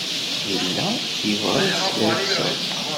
Yella yebɣa ad skerkseɣ.